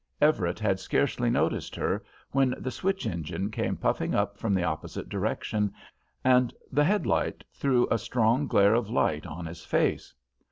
Everett had scarcely noticed her, when the switch engine came puffing up from the opposite direction, and the head light threw a strong glare of light on his face.